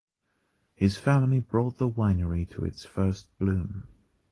His family brought the winery to its first bloom.